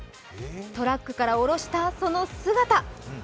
トラックから下ろしたこの姿。